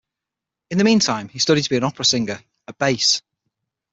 In the meantime he studied to be an opera singer, a bass.